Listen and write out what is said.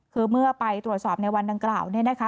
คือเมื่อไปตรวจสอบในวันดังกล่าวเนี่ยนะคะ